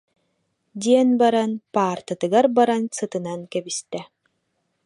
диэн баран паартатыгар баран сытынан кэбистэ